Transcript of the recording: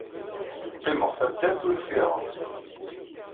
Qqimeɣ taddart ul ffiɣeɣ.